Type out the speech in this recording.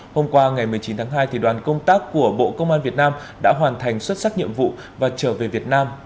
hôm qua ngày một mươi chín tháng hai đoàn công tác của bộ công an việt nam đã hoàn thành xuất sắc nhiệm vụ và trở về việt nam